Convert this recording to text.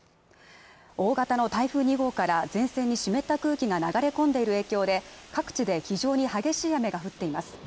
大型の台風２号から前線に湿った空気が流れ込んでいる影響で、各地で非常に激しい雨が降っています。